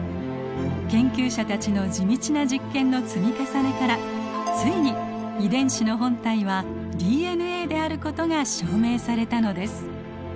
研究者たちの地道な実験の積み重ねからついに遺伝子の本体はＤＮＡであることが証明されたのです。